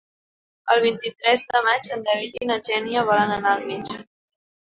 El vint-i-tres de maig en David i na Xènia volen anar al metge.